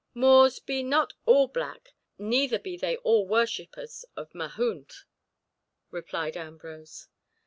"Moors be not all black, neither be they all worshippers of Mahound," replied Ambrose.